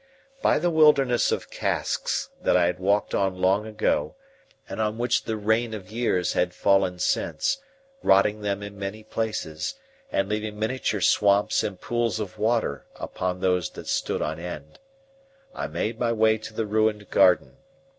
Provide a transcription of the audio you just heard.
By the wilderness of casks that I had walked on long ago, and on which the rain of years had fallen since, rotting them in many places, and leaving miniature swamps and pools of water upon those that stood on end, I made my way to the ruined garden.